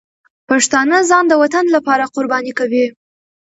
پښتانه ځان د وطن لپاره قرباني کوي.